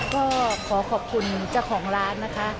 ก็ขอขอบคุณเจ้าของร้านนะคะ